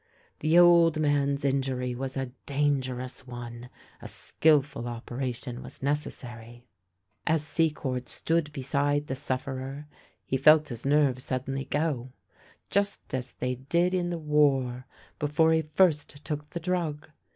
The old man's injury was a dangerous one : a skilful operation was necessary. As Secord stood beside the sufferer, he felt his nerves suddenly go — just as they did in the War before he first took the drug.